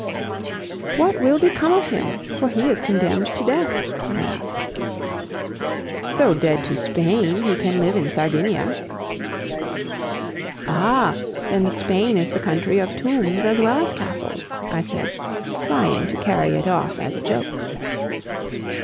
"What will become of him, for he is condemned to death?" I asked. "Though dead to Spain, he can live in Sardinia." "Ah! then Spain is the country of tombs as well as castles?" I said, trying to carry it off as a joke.